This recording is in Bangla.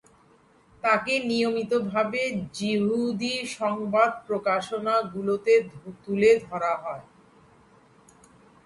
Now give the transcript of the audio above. তাকে নিয়মিতভাবে যিহুদি সংবাদ প্রকাশনাগুলোতে তুলে ধরা হয়।